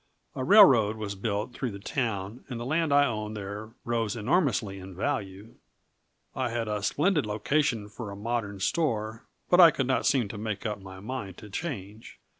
A railroad was built through the town and the land I owned there rose enormously in value. I had a splendid location for a modern store but I could not seem to make up my mind to change.